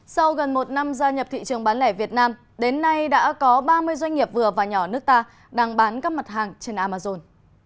sau gần một năm gia nhập thị trường bán lẻ việt nam đến nay đã có ba mươi doanh nghiệp vừa và nhỏ nước ta đang bán các mặt hàng trên amazon